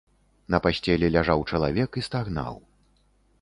На пасцелі ляжаў чалавек і стагнаў.